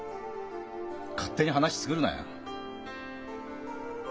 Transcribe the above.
勝手に話作るなよ。